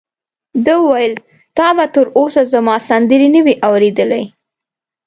ده وویل: تا به تر اوسه زما سندرې نه وي اورېدلې؟